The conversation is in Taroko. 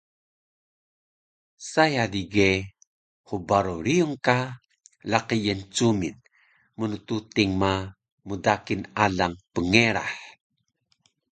saya digeh hbaro riyung ka laqi Yencuming mntuting ma mdakil alang pngerah